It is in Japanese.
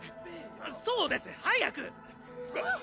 そうです早く！